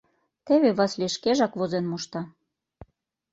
Теве Васлий шкежак возен мошта.